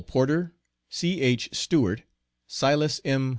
PORTER, C.H. STEWART, SILAS M.